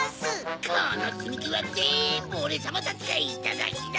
このつみきはぜんぶオレさまたちがいただきだ！